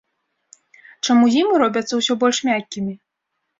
Чаму зімы робяцца ўсё больш мяккімі?